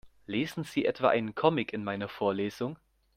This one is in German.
Lesen Sie etwa einen Comic in meiner Vorlesung?